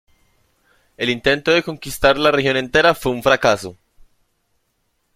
El intento de conquistar la región entera fue un fracaso.